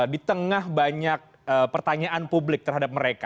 di tengah banyak pertanyaan publik terhadap mereka